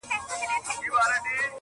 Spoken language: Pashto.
• بېله پوښتني ځي جنت ته چي زکات ورکوي -